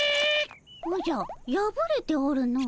おじゃやぶれておるの。